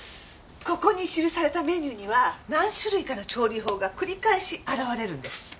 ここに記されたメニューには何種類かの調理法が繰り返し表れるんです。